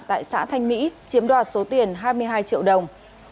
tại xã thanh mỹ chiếm đoạt số tiền hai mươi hai triệu đồng